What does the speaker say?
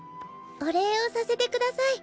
お礼をさせてください。